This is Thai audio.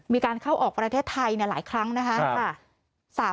มีการเข้าออกประเทศไทยหลายครั้งนะคะ